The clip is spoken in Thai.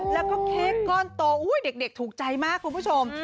แล้วก็เค้กก้อนโตอุ้ยเด็กถูกใจมากคุณผู้ชม